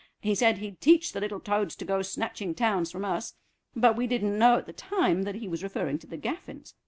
He said he'd teach the little toads to go snatching towns from us, but we didn't know at the time that he was referring to the Gaffins.